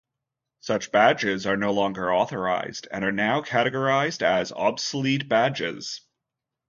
Such badges are no longer authorized and are now categorized as obsolete badges.